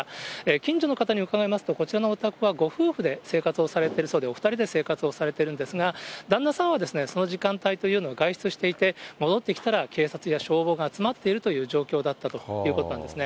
近所の方に伺いますと、こちらのお宅は、ご夫婦で生活をされているそうで、お２人で生活をされてるんですが、旦那さんはその時間帯というのは外出していて、戻ってきたら、警察や消防が集まっているという状況だったということなんですね。